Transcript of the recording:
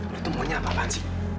lu tuh maunya apa apaan sih